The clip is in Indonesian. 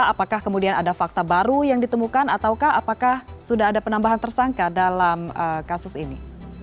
apakah kemudian ada fakta baru yang ditemukan ataukah apakah sudah ada penambahan tersangka dalam kasus ini